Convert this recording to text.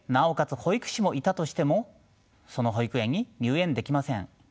保育士もいたとしてもその保育園に入園できません。